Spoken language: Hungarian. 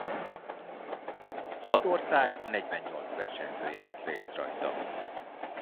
Hat ország negyvennyolc versenyzője vett részt rajta.